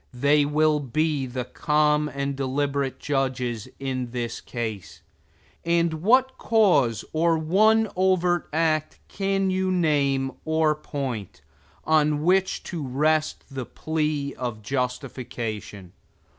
They will be the calm and deliberate judges in the case; and what cause or one overt act can you name or point, on which to rest the plea of justification?